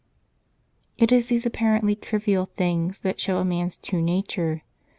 It is these apparently trivial things that show a man s true nature.